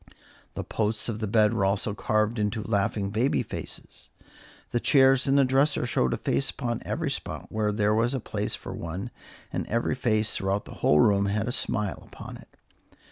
The posts of the bed were also carved into laughing baby faces; the chairs and the dresser showed a face upon every spot where there was a place for one, and every face throughout the whole room had a smile upon it.